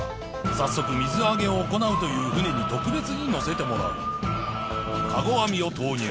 早速水揚げを行うという船に特別に乗せてもらうカゴ網を投入